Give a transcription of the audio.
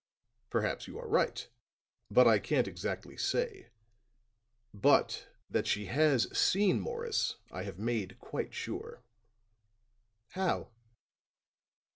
"Perhaps you are right, but I can't exactly say. But that she has seen Morris I have made quite sure." "How?"